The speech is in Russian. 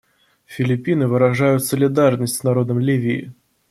Филиппины выражают солидарность с народом Ливии.